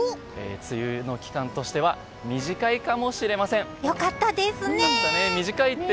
梅雨の期間としては短いかもしれません。